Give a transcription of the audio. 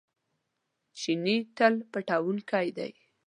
چیني تل پلټونکی دی.